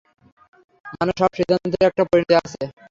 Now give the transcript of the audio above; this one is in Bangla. মানে সব সিদ্ধান্তের একটা পরিণতি আছে।